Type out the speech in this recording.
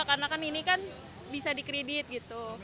karena kan ini kan bisa dikredit gitu